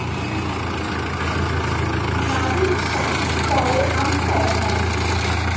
নাদির শাহ পরে আম্পায়ার হন।